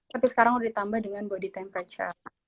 tapi sekarang udah ditambah dengan body temperature